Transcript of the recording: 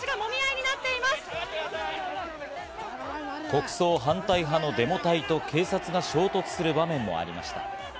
国葬反対派のデモ隊と警察が衝突する場面もありました。